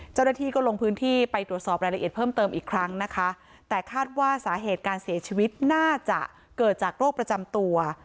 เจ้าหน้าที่ก็ลงพื้นที่ไปตรวจสอบรายละเอียดเพิ่มเติมอีกครั้งนะคะแต่คาดว่าสาเหตุการเสียชีวิตน่าจะเกิดจากโรคประจำตัว